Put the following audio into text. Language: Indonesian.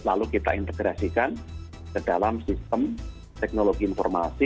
lalu kita integrasikan ke dalam sistem teknologi informasi